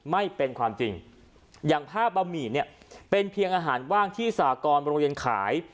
ไม่เป็นความจริงอย่างผ้าบะหมี่เนี่ยเป็นเพียงอาหารว่างที่สากรโรงเรียนขาย